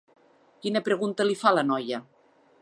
Quina pregunta li fa la noia?